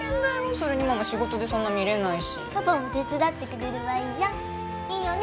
それにママ仕事でそんな見れないしパパも手伝ってくれればいいじゃんいいよね？